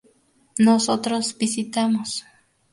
Nosotros visitamos